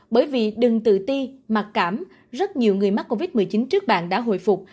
bởi vì đừng tự ti mặc cảm rất nhiều người mắc covid một mươi chín trước bạn đã hồi phục